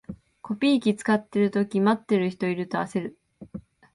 コピー機使ってるとき、待ってる人いると焦る